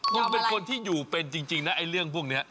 คุณเป็นคนที่อยู่เป็นจริงนะไอ้เรื่องพวกนี้